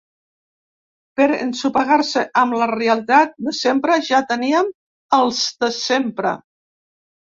Per ensopegar-se amb la realitat de sempre ja teníem els de sempre.